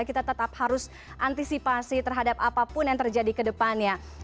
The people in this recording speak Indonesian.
kita tetap harus antisipasi terhadap apapun yang terjadi ke depannya